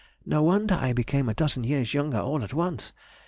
No wonder I became a dozen years younger all at once.